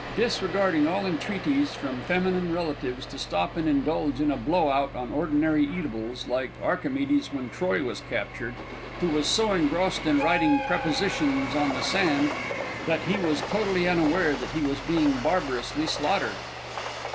disregarding all entreaties from feminine relatives to stop and indulge in a blow out on ordinary eatables, like Archimedes when Troy was captured, who was so engrossed in writing prepositions on the sand that he was totally unaware that he was being barbarously slaughtered.